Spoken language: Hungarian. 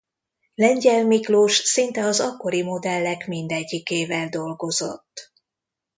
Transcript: Lengyel Miklós szinte az akkori modellek mindegyikével dolgozott.